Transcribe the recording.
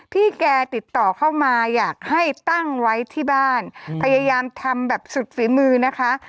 พี่แกติดต่อเข้ามาอยากให้ตั้งไว้ที่บ้านพยายามทำแบบสุดฝีมือนะคะ